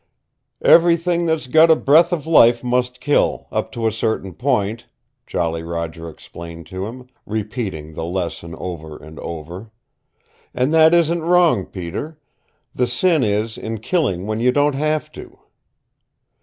"Everything that's got a breath of life must kill up to a certain point," Jolly Roger explained to him, repeating the lesson over and over. "And that isn't wrong, Peter. The sin is in killing when you don't have to.